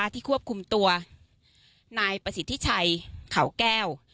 ที่ควบคุมตัวนายประสิทธิชัยเขาแก้ว